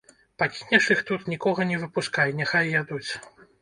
Пакінеш іх тут, нікога не выпускай, няхай ядуць.